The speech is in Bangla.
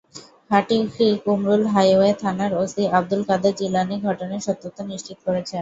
হাটিকুমরুল হাইওয়ে থানার ওসি আবদুল কাদের জিলানী ঘটনার সত্যতা নিশ্চিত করেছেন।